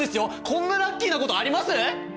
こんなラッキーなことあります？